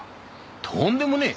とんでもねえ。